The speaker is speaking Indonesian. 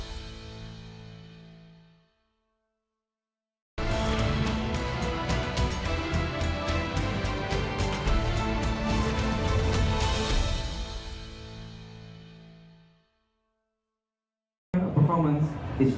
saya benar saya benar